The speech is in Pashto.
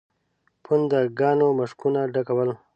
پونده ګانو مشکونه ډکول.